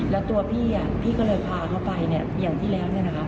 แล้วตัวพี่ก็เลยพาเข้าไปอย่างที่แล้ว